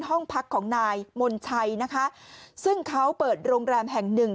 ห้องพักของนายมนชัยนะคะซึ่งเขาเปิดโรงแรมแห่งหนึ่ง